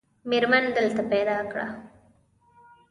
مېرمن دلته پیدا کړه.